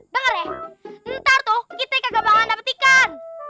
denger ya ntar tuh kita kagak bakalan dapet ikan